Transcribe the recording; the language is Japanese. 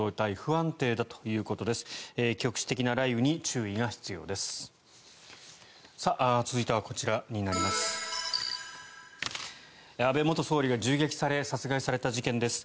安倍元総理が銃撃され殺害された事件です。